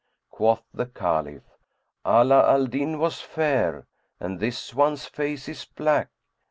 Quoth the Caliph, "Ala al Din was fair and this one's face is black."